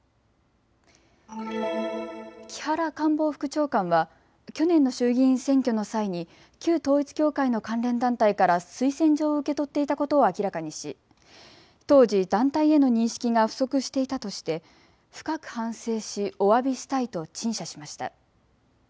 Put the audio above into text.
木原官房副長官は去年の衆議院選挙の際に旧統一教会の関連団体から推薦状を受け取っていたことを明らかにし当時、団体への認識が不足していたとして深く反省しおわびしたいと陳謝しました。